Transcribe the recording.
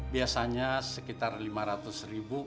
biasanya sekitar lima ratus ribu